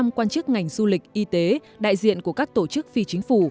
khoảng hai trăm linh quan chức ngành du lịch y tế đại diện của các tổ chức phi chính phủ